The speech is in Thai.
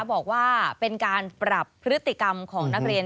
บอกว่าเป็นการปรับพฤติกรรมของนักเรียน